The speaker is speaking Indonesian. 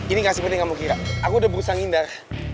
ini gak sih penting kamu kira aku udah berusaha ngindar